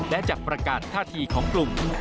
และจัดประกาศทาธิของกลุ่ม